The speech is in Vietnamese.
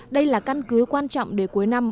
đây là căn cứ quan trọng để cuối năm